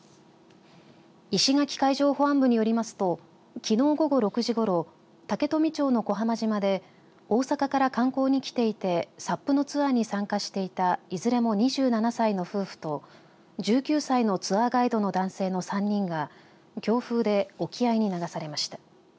石垣海上保安部によりますときのう午後６時ごろ竹富町の小浜島で大阪から観光に来ていてＳＵＰのツアーに参加していたいずれも２７歳の夫婦と１９歳のツアーガイドの男性の３人が強風で沖合に流されました。